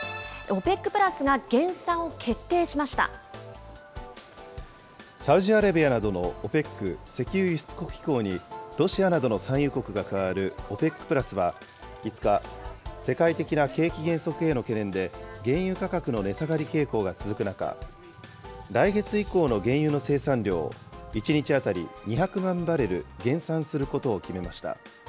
ＯＰＥＣプラスが減産決定しましサウジアラビアなどのＯＰＥＣ・石油輸出国機構に、ロシアなどの産油国が加わるＯＰＥＣプラスは５日、世界的な景気減速への懸念で、原油価格の値下がり傾向が続く中、来月以降の原油の生産量１日当たり２００万バレル減産することを決めました。